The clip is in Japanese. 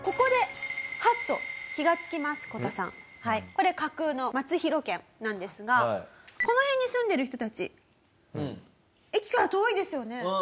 これ架空の松広県なんですがこの辺に住んでる人たち駅から遠いですよね？